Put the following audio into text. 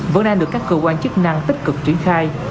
vẫn đang được các cơ quan chức năng tích cực triển khai